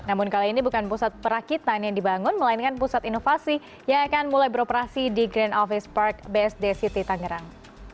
namun kali ini bukan pusat perakitan yang dibangun melainkan pusat inovasi yang akan mulai beroperasi di grand office park bsd city tangerang